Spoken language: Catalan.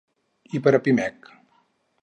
I per a Pimec?